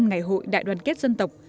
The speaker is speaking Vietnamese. ngày hội đại đoàn kết dân tộc